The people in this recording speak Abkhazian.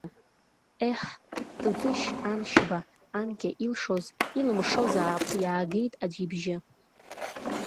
Еҳ, Тытышь Аншьба анкьа илшоз илымшозаап, иаагеит аӡәы ибжьы.